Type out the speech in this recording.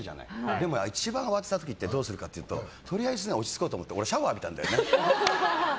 でも、一番慌てた時ってどうするかというととりあえず落ち着こうと思って俺、シャワー浴びたんだよね。